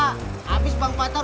abis bang patar aku gak bisa jauh